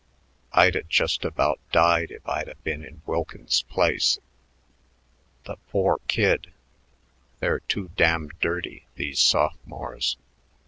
I'd 'a' just about died if I'd 'a' been in Wilkins's place. The poor kid! They're too damn dirty, these sophomores.